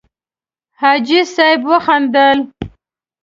حاجي صیب وخندل.